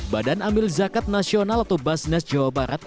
badan ambil zakat nasional atau basnas jawa barat